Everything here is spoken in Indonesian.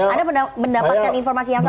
anda mendapatkan informasi yang sama